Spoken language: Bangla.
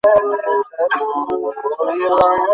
মানতে পারছি না?